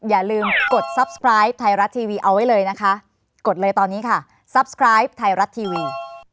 อย่าลืมกดไทยรัฐทีวีเอาไว้เลยนะคะกดเลยตอนนี้ค่ะไทยรัฐทีวี